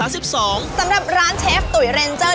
สำหรับร้านเชฟตุ๋ยเรนเจอร์